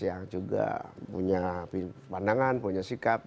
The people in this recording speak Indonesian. yang juga punya pandangan punya sikap